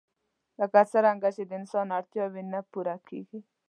لکه څنګه چې د انسان اړتياوې نه پوره کيږي